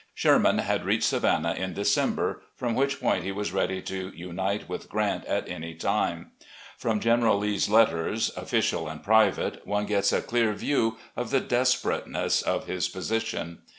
Sherman had reached Savannah in December, from which point he was ready to unite with Grant at any time. From General Lee's letters, official and private, one gets a dear view of the desperateness of his position.